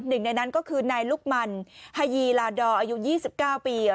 หนึ่งในนั้นก็คือนายลุกมันฮายีลาดอร์อายุ๒๙ปี